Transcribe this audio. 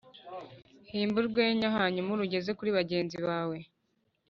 himba urwenya hanyuma urugeze kuri bagenzi bawe.